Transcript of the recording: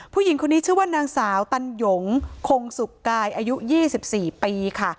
ผู้หญิงคนนี้ชื่อว่านางสาวตันหยงคงสุกกายอายุ๒๔ปีค่ะ